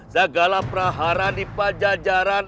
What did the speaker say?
sagala praharan di pajajaran